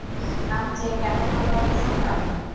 আমি যে কেন তোর কথা শুনলাম।